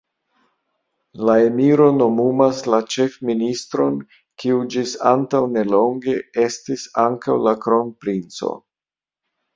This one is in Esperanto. La emiro nomumas la ĉefministron, kiu ĝis antaŭ nelonge estis ankaŭ la kronprinco.